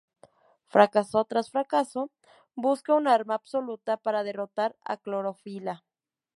Fracaso tras fracaso, busca un arma absoluta para derrotar a Clorofila.